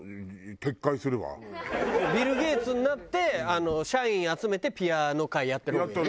ビル・ゲイツになって社員集めてピアノ会やったらいいよね。